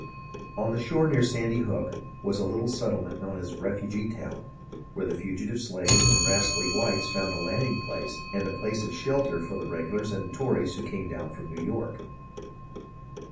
On the shore near Sandy Hook was a little settlement known as Refugee Town, where the fugitive slaves and rascally whites found a landing place and a place of shelter for the regulars and Tories who came down from New York.